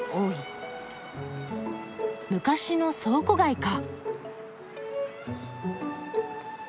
昔の倉庫街か。